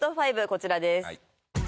こちらです